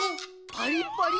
パリッパリ。